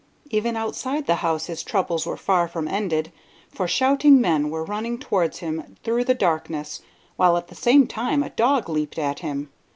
Even outside the house his troubles were far from ended, for shouting men were running towards him through the darkness, while at the same time a dog leaped at him.